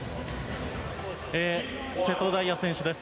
瀬戸大也選手です。